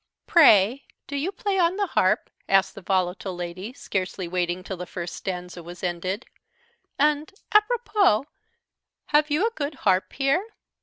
"Pray, do you play on the harp," asked the volatile lady, scarcely waiting till the first stanza was ended; "and, apropos, have you a good harp here?"